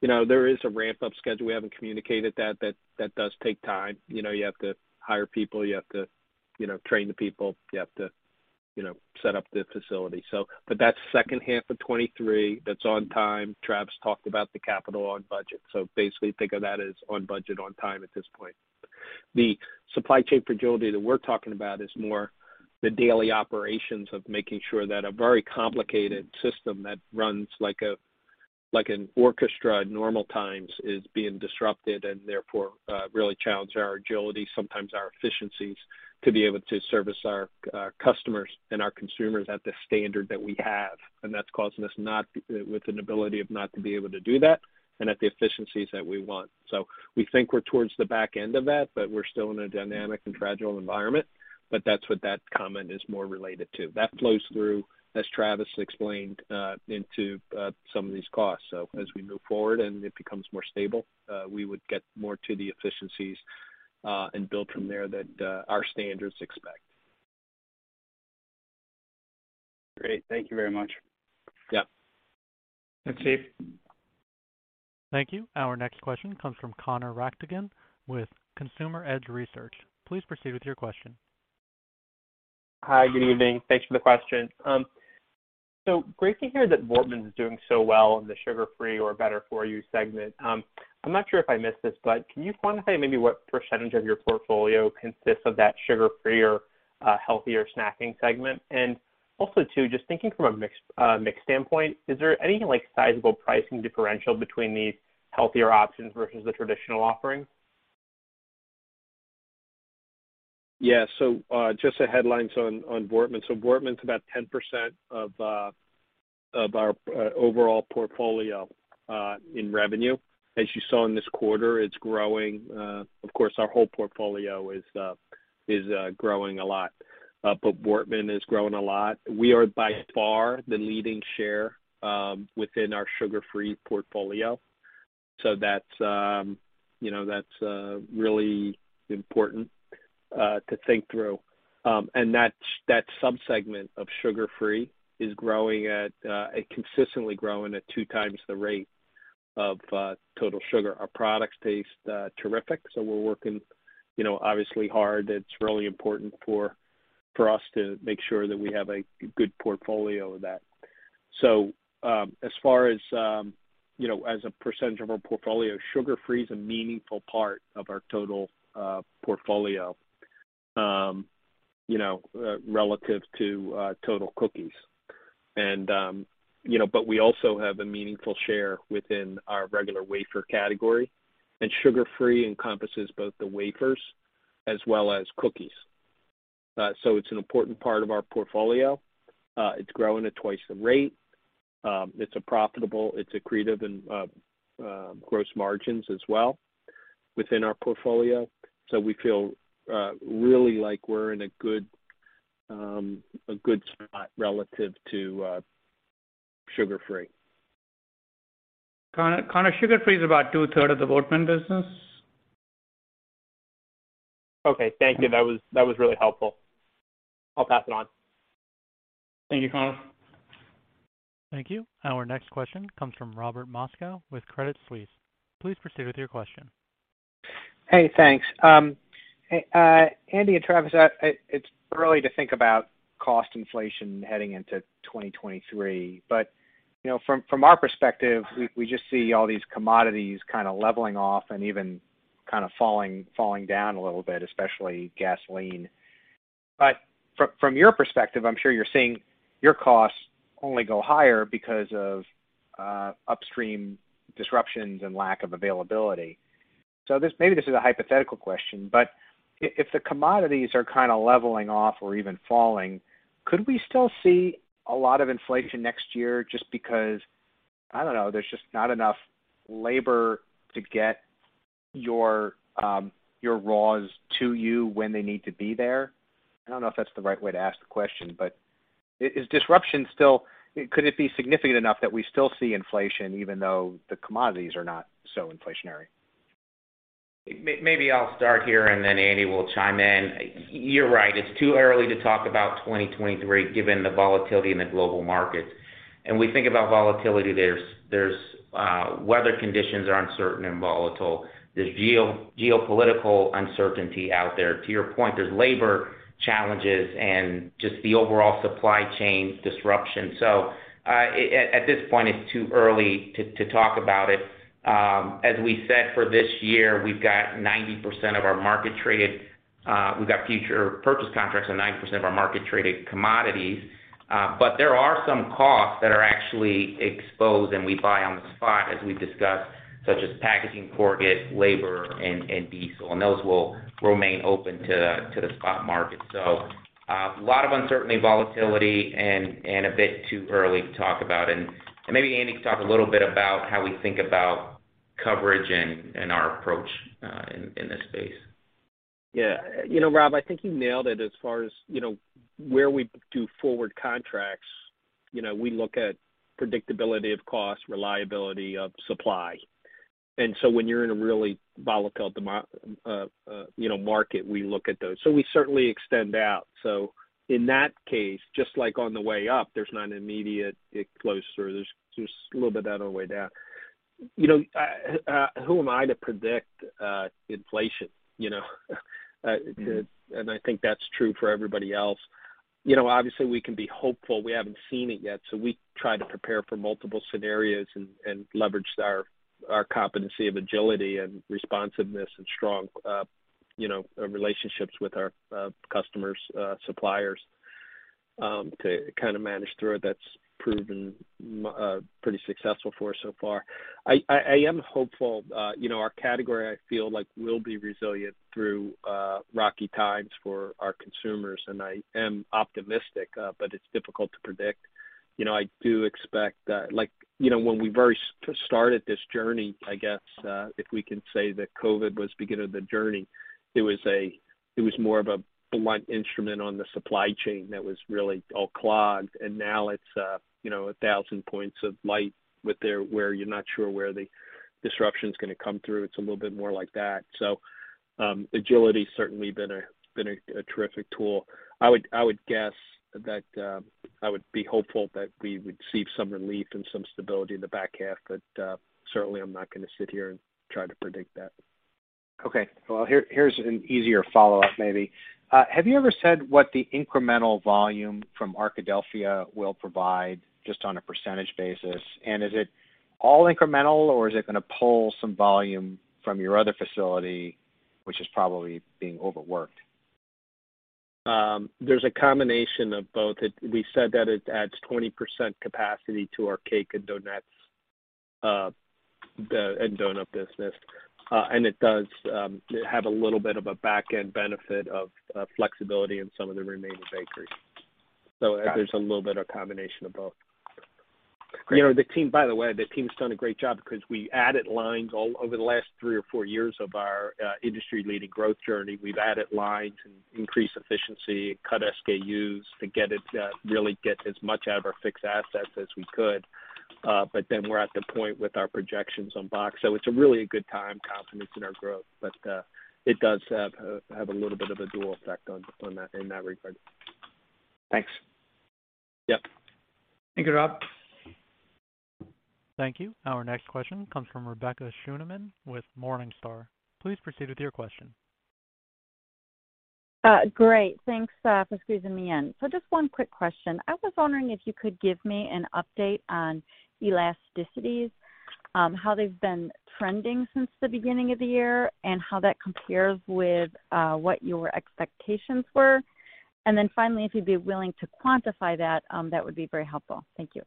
You know, there is a ramp-up schedule. We haven't communicated that that does take time. You know, you have to hire people, you have to, you know, train the people, you have to, you know, set up the facility. But that's second half of 2023. That's on time. Travis talked about the capital on budget. Basically, think of that as on budget, on time at this point. The supply chain fragility that we're talking about is more the daily operations of making sure that a very complicated system that runs like an orchestra at normal times is being disrupted and therefore really challenging our agility, sometimes our efficiencies, to be able to service our customers and our consumers at the standard that we have. That's causing us not to be able to do that at the efficiencies that we want. We think we're towards the back end of that, but we're still in a dynamic and fragile environment, but that's what that comment is more related to. That flows through, as Travis explained, into some of these costs. As we move forward and it becomes more stable, we would get more to the efficiencies, and build from there that our standards expect. Great. Thank you very much. Yeah. Thanks, Steve. Thank you. Our next question comes from Connor Rattigan with Consumer Edge. Please proceed with your question. Hi, good evening. Thanks for the question. Great to hear that Voortman is doing so well in the sugar-free or better-for-you segment. I'm not sure if I missed this, but can you quantify maybe what percentage of your portfolio consists of that sugar-free or healthier snacking segment? Also too, just thinking from a mix standpoint, is there anything like sizable pricing differential between the healthier options versus the traditional offering? Yeah. Just the headlines on Voortman. Voortman is about 10% of our overall portfolio in revenue. As you saw in this quarter, it's growing. Of course, our whole portfolio is growing a lot, but Voortman is growing a lot. We are by far the leading share within our sugar-free portfolio. That's, you know, really important to think through. That subsegment of sugar-free is consistently growing at two times the rate of total sugar. Our products taste terrific, so we're working, you know, obviously hard. It's really important for us to make sure that we have a good portfolio of that. As far as, you know, as a percentage of our portfolio, sugar-free is a meaningful part of our total portfolio, you know, relative to total cookies. You know, but we also have a meaningful share within our regular wafer category, and sugar-free encompasses both the wafers as well as cookies. It's an important part of our portfolio. It's growing at twice the rate. It's profitable, it's accretive in gross margins as well within our portfolio. We feel really like we're in a good spot relative to sugar-free. Connor, sugar-free is about two-thirds of the Voortman business. Okay. Thank you. That was really helpful. I'll pass it on. Thank you, Connor. Thank you. Our next question comes from Robert Moskow with Credit Suisse. Please proceed with your question. Hey, thanks. Hey, Andy and Travis, it's early to think about cost inflation heading into 2023, but you know, from our perspective, we just see all these commodities kinda leveling off and even kind of falling down a little bit, especially gasoline. From your perspective, I'm sure you're seeing your costs only go higher because of upstream disruptions and lack of availability. This maybe is a hypothetical question, but if the commodities are kinda leveling off or even falling, could we still see a lot of inflation next year just because, I don't know, there's just not enough labor to get your raws to you when they need to be there? I don't know if that's the right way to ask the question, but is disruption still Could it be significant enough that we still see inflation even though the commodities are not so inflationary? Maybe I'll start here, and then Andy will chime in. You're right. It's too early to talk about 2023 given the volatility in the global markets. We think about volatility, there's weather conditions are uncertain and volatile. There's geopolitical uncertainty out there. To your point, there's labor challenges and just the overall supply chain disruption. At this point, it's too early to talk about it. As we said for this year, we've got 90% of our market traded. We've got future purchase contracts on 90% of our market traded commodities. But there are some costs that are actually exposed, and we buy on the spot as we've discussed, such as packaging, corrugate, labor and diesel, and those will remain open to the spot market. A lot of uncertainty, volatility and a bit too early to talk about. Maybe Andy can talk a little bit about how we think about coverage and our approach in this space. Yeah. You know, Rob, I think you nailed it as far as, you know, where we do forward contracts. You know, we look at predictability of cost, reliability of supply. When you're in a really volatile market, we look at those. We certainly extend out. In that case, just like on the way up, there's not an immediate close or there's just a little bit out of the way down. You know, who am I to predict inflation, you know? I think that's true for everybody else. You know, obviously, we can be hopeful. We haven't seen it yet, so we try to prepare for multiple scenarios and leverage our competency of agility and responsiveness and strong relationships with our customers, suppliers, to kinda manage through it. That's proven pretty successful for us so far. I am hopeful. You know, our category, I feel like will be resilient through rocky times for our consumers, and I am optimistic, but it's difficult to predict. You know, I do expect, like, you know, when we very started this journey, I guess, if we can say that COVID was beginning of the journey, it was more of a blunt instrument on the supply chain that was really all clogged, and now it's, you know, a thousand points of light where you're not sure where the disruption's gonna come through. It's a little bit more like that. Agility's certainly been a terrific tool. I would guess that I would be hopeful that we would see some relief and some stability in the back half, but certainly I'm not gonna sit here and try to predict that. Okay. Well, here's an easier follow-up maybe. Have you ever said what the incremental volume from Arkadelphia will provide just on a percentage basis? Is it all incremental, or is it gonna pull some volume from your other facility, which is probably being overworked? There's a combination of both. We said that it adds 20% capacity to our cake and donuts and donut business. It does have a little bit of a back-end benefit of flexibility in some of the remaining bakeries. Got it. There's a little bit of combination of both. Great. You know, the team, by the way, the team's done a great job 'cause we added lines all over the last three or four years of our industry-leading growth journey. We've added lines and increased efficiency, cut SKUs to really get as much out of our fixed assets as we could. We're at the point with our projections on box. It's a really good time confidence in our growth, but it does have a little bit of a dual effect on that in that regard. Thanks. Yep. Thank you, Rob. Thank you. Our next question comes from Rebecca Scheuneman with Morningstar. Please proceed with your question. Great. Thanks for squeezing me in. So just one quick question. I was wondering if you could give me an update on elasticities, how they've been trending since the beginning of the year, and how that compares with what your expectations were. Finally, if you'd be willing to quantify that would be very helpful. Thank you.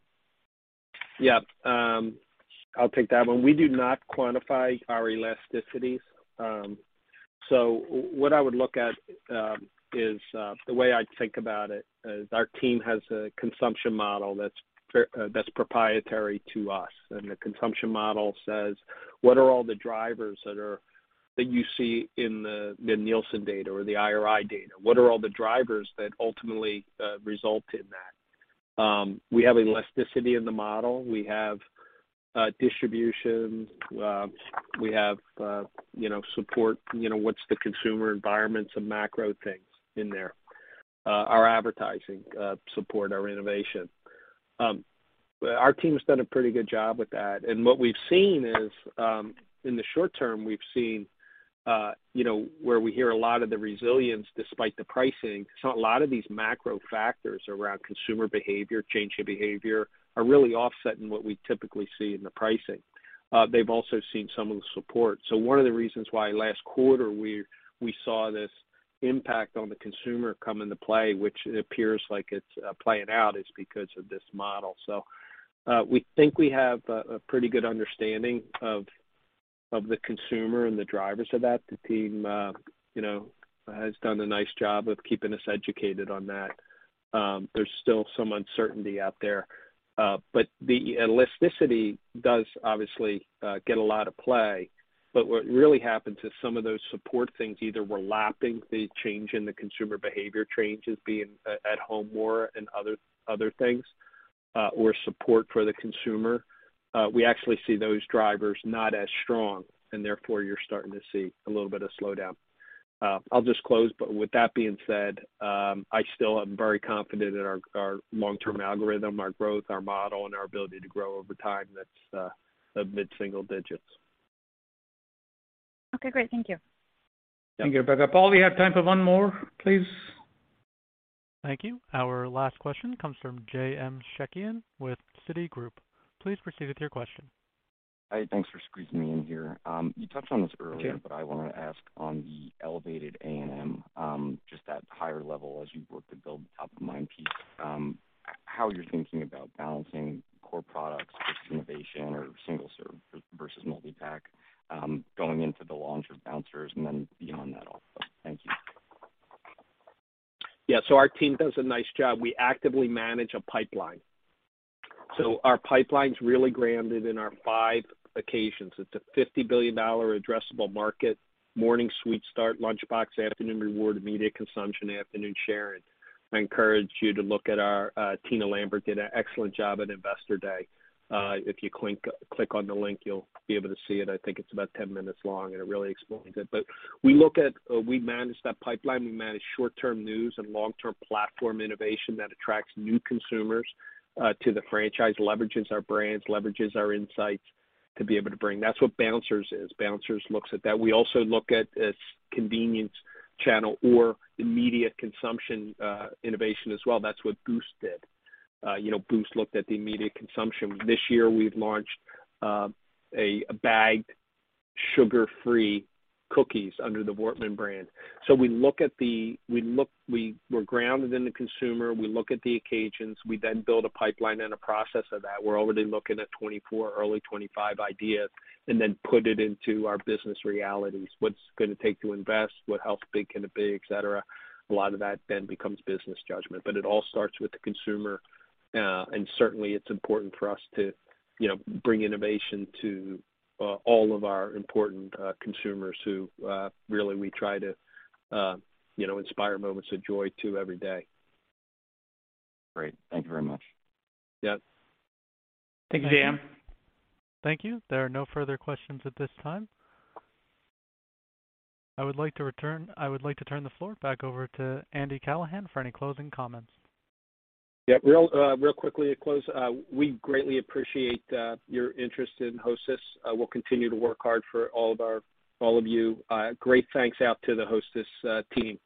Yeah. I'll take that one. We do not quantify our elasticities. What I would look at is the way I think about it is our team has a consumption model that's proprietary to us. The consumption model says, what are all the drivers that you see in the Nielsen data or the IRI data? What are all the drivers that ultimately result in that? We have elasticity in the model. We have distribution. We have you know, support. You know, what's the consumer environments and macro things in there? Our advertising support, our innovation. Our team has done a pretty good job with that. What we've seen is, in the short term, we've seen you know, where we hear a lot of the resilience despite the pricing. A lot of these macro factors around consumer behavior, change in behavior, are really offsetting what we typically see in the pricing. They've also seen some of the support. One of the reasons why last quarter we saw this impact on the consumer come into play, which appears like it's playing out, is because of this model. We think we have a pretty good understanding of the consumer and the drivers of that. The team, you know, has done a nice job of keeping us educated on that. There's still some uncertainty out there. The elasticity does obviously get a lot of play. What really happens is some of those support things either were lapping the change in the consumer behavior changes being at home more and other things, or support for the consumer. We actually see those drivers not as strong, and therefore you're starting to see a little bit of slowdown. I'll just close, but with that being said, I still am very confident in our long-term algorithm, our growth, our model, and our ability to grow over time that's mid-single digits. Okay, great. Thank you. Thank you, Rebecca. Paul, we have time for one more, please. Thank you. Our last question comes from Wendy Nicholson with Citigroup. Please proceed with your question. Hi, thanks for squeezing me in here. You touched on this earlier. Sure. I wanna ask on the elevated A&M, just at higher level as you work to build top of mind piece, how you're thinking about balancing core products with innovation or single serve versus multipack, going into the launch of Bouncers and then beyond that also. Thank you. Yeah. Our team does a nice job. We actively manage a pipeline. Our pipeline's really grounded in our five occasions. It's a $50 billion addressable market, morning sweet start, lunchbox, afternoon reward, immediate consumption, afternoon sharing. I encourage you to look at our, Tina Lambert did an excellent job at Investor Day. If you click on the link, you'll be able to see it. I think it's about 10 minutes long, and it really explains it. We manage that pipeline. We manage short-term news and long-term platform innovation that attracts new consumers to the franchise, leverages our brands, leverages our insights to be able to bring. That's what Bouncers is. Bouncers looks at that. We also look at its convenience channel or immediate consumption innovation as well. That's what Boost did. You know, Boost looked at the immediate consumption. This year, we've launched a bagged sugar-free cookies under the Voortman brand. We're grounded in the consumer. We look at the occasions. We then build a pipeline and a process of that. We're already looking at 24, early 25 ideas and then put it into our business realities. What's it gonna take to invest? What health benefits can it be, et cetera. A lot of that then becomes business judgment. It all starts with the consumer. Certainly it's important for us to, you know, bring innovation to all of our important consumers who really we try to, you know, inspire moments of joy to every day. Great. Thank you very much. Yep. Thanks, Wendy Nicholson. Thank you. There are no further questions at this time. I would like to turn the floor back over to Andy Callahan for any closing comments. Really quickly to close. We greatly appreciate your interest in Hostess. We'll continue to work hard for all of you. Great thanks out to the Hostess team.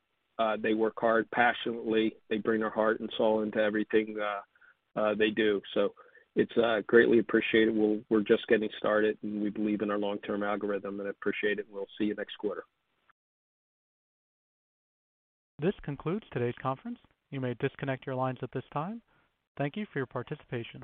They work hard passionately. They bring their heart and soul into everything they do. It's greatly appreciated. We're just getting started, and we believe in our long-term algorithm and appreciate it. We'll see you next quarter. This concludes today's conference. You may disconnect your lines at this time. Thank you for your participation.